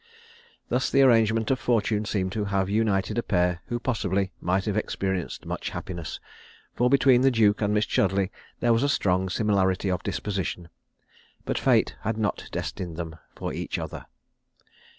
Thus the arrangement of Fortune seemed to have united a pair who possibly might have experienced much happiness, for between the duke and Miss Chudleigh there was a strong similarity of disposition; but Fate had not destined them for each other.